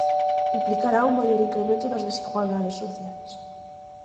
Implicará un maior incremento das desigualdades sociais.